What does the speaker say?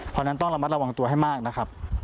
เพราะฉะนั้นต้องระมัดระวังตัวให้มากนะครับ